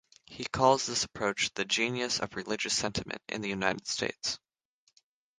He calls this approach the genius of religious sentiment in the United States.